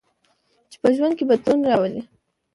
چې په ژوند کې بدلون راولي.